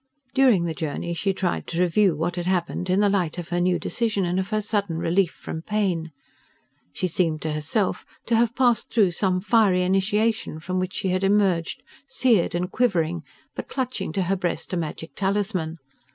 During the journey she tried to review what had happened in the light of her new decision and of her sudden relief from pain. She seemed to herself to have passed through some fiery initiation from which she had emerged seared and quivering, but clutching to her breast a magic talisman.